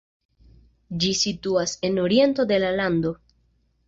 Ĝi situas en oriento de la lando.